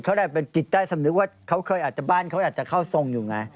เขาได้เป็นจิตใต้สำนึกว่าเขาเคยอาจจะบ้านเขาอาจจะเข้าทรงอยู่ไง